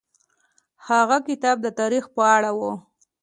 هغه کتاب د تاریخ په اړه و.